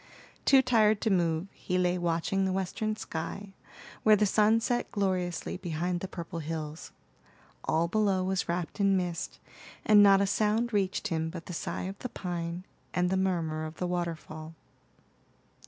Too tired to move, he lay watching the western sky, where the sun set gloriously behind the purple hills. All below was wrapped in mist, and not a sound reached him but the sigh of the pine, and the murmur of the waterfall.